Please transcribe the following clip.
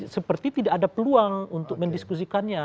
seperti tidak ada peluang untuk mendiskusikannya